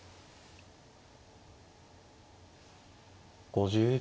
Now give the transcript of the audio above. ５０秒。